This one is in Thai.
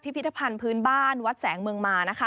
พิธภัณฑ์พื้นบ้านวัดแสงเมืองมานะคะ